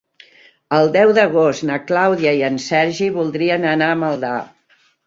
El deu d'agost na Clàudia i en Sergi voldrien anar a Maldà.